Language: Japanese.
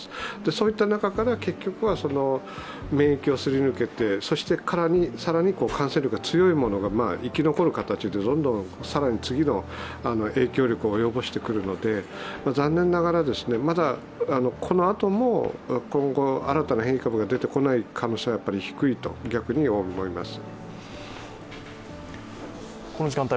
そういった中から結局は免疫をすり抜けて、更に感染力の強いものが生き残る形でどんどん更に次の影響力を及ぼしてくるので、残念ながら、まだこのあとも、今後新たな変異株が出てこない可能性は低いと、逆に思います。